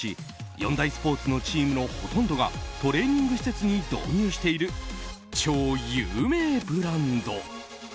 ４大スポーツのチームのほとんどがトレーニング施設に導入している超有名ブランド。